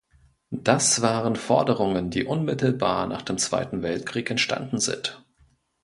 Das waren Forderungen, die unmittelbar nach dem Zweiten Weltkrieg entstanden sind.